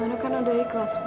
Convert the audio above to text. mano kan udah ikhlas bu